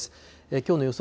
きょうの予想